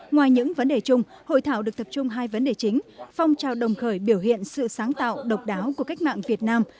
ngoài những vấn đề chung hội thảo được tập trung hai vấn đề chính phong trào đồng khởi biểu hiện sự sáng tạo độc đáo của cách mạng việt nam